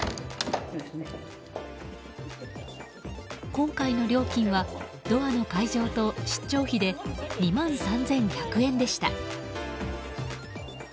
今回の料金はドアの解錠と出張費で２万３１００円でした。